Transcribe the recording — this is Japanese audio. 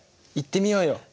行ってみようよ。